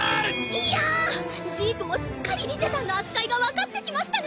いやジークもすっかりリゼたんの扱いが分かってきましたね。